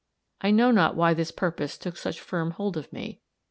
I know not why this purpose took such firm hold of me.